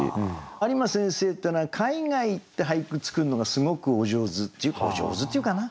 有馬先生っていうのは海外行って俳句作るのがすごくお上手お上手っていうかな？